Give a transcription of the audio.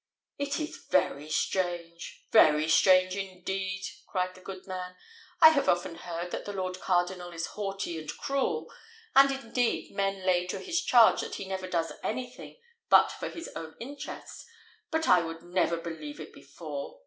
"It is very strange! very strange, indeed!" cried the good man. "I have often heard that the lord cardinal is haughty and cruel, and indeed men lay to his charge that he never does anything but for his own interests; but I would never believe it before.